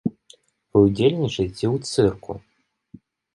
Вы ўдзельнічаеце ў цырку!